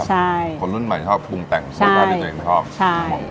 ใช่คนรุ่นใหม่ชอบปรุงแต่งโซตาที่ตัวเองชอบใช่